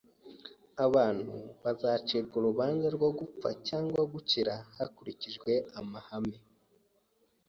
Abantu bazacirwa urubanza rwo gupfa cyangwa gukira hakurikijwe amahame